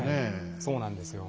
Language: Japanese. そうなんですよ。